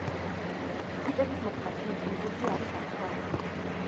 ჩიტების მოკვლა მთელ კუნძულზე არის აკრძალული.